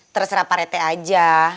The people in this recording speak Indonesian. terserah parete aja